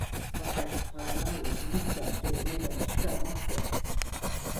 Fakat paralarla gümüş saatleri meydana çıkarmak zor…